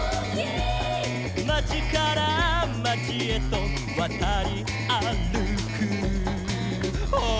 「まちからまちへとわたりあるく」「」